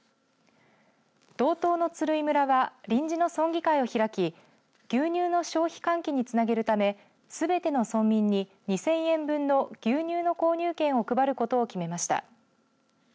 道東の鶴居村は臨時の村議会を開き牛乳の消費喚起につなげるためすべての村民に２０００円分の牛乳の購入券を配ることを決めました。